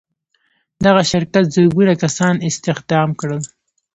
دغه شرکت زرګونه کسان استخدام کړل.